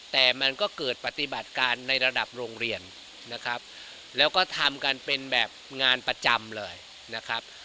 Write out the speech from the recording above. แต่มันก็เกิดปฏิบัติการในระดับโรงเรียนนะครับแล้วก็ทำกันเป็นแบบงานประจำเลยนะครับ